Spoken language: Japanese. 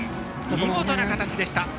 見事な形でした。